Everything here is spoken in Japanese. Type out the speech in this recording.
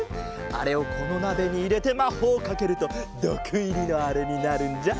あれをこのなべにいれてまほうをかけるとどくいりのあれになるんじゃ。